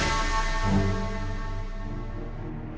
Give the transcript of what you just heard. aku sudah berpikir